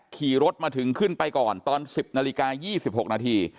ขี่รถมาถึงขึ้นไปก่อนตอน๑๐๒๖น